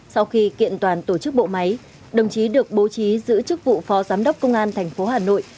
sau khi kiện toàn tổ chức bộ máy đồng chí được bố trí giữ chức vụ phó giám đốc công an tp hà nội